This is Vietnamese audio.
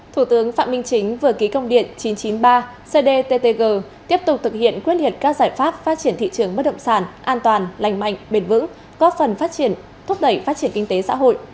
thủ tướng phạm minh chính vừa ký công điện chín trăm chín mươi ba cdttg tiếp tục thực hiện quyết liệt các giải pháp phát triển thị trường bất động sản an toàn lành mạnh bền vững góp phần phát triển thúc đẩy phát triển kinh tế xã hội